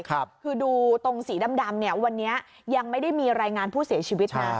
คือดูตรงสีดำเนี่ยวันนี้ยังไม่ได้มีรายงานผู้เสียชีวิตนะ